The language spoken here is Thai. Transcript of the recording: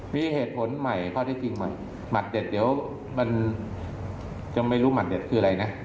มีเหตุผลใหม่ข้อที่จริงหมัดเด็ดเดี๋ยวมันจะไม่รู้หัดเด็ดคืออะไรนะ